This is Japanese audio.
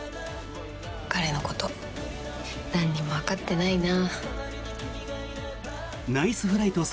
彼のこと何もわかってないな。